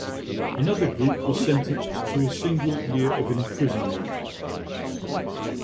Another group was sentenced to a single year of imprisonment.